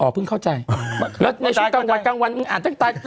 อ๋อเพิ่งเข้าใจแล้วในชีวิตกลางวันมึงอ่านตั้งแต่